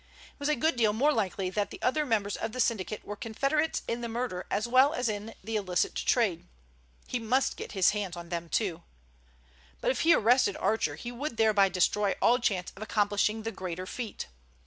It was a good deal more likely that the other members of the syndicate were confederates in the murder as well as in the illicit trade. He must get his hands on them too. But if he arrested Archer he would thereby destroy all chance of accomplishing the greater feat.